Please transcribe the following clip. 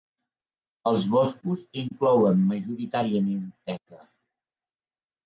Els boscos inclouen majoritàriament teca.